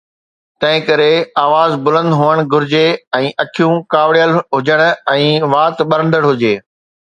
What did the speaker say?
تنهن ڪري آواز بلند هئڻ گهرجي ۽ اکيون ڪاوڙيل هجن ۽ وات ٻرندڙ هجي.